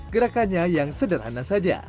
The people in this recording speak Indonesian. gerakannya yang sederhana saja